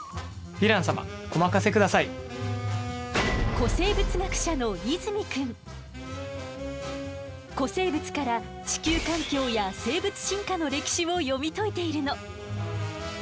古生物学者の古生物から地球環境や生物進化の歴史を読み解いているの。